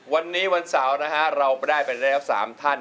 วันนี้วันเสาร์นะฮะเราได้ไปแล้ว๓ท่าน